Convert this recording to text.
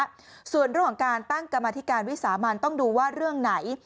ส่วนเรื่องของการตั้งกรรมธิการวิสามันต้องดูว่าเรื่องไหน